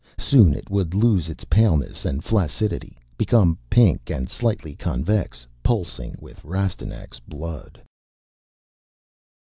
Soon it would lose its paleness and flaccidity, become pink and slightly convex, pulsing with Rastignac's blood.